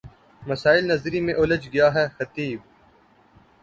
مسائل نظری میں الجھ گیا ہے خطیب